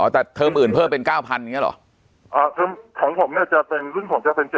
แต่เทอมอื่นเพิ่มเป็น๙๐๐อย่างนี้เหรอเทอมของผมเนี่ยจะเป็นรุ่นผมจะเป็น๗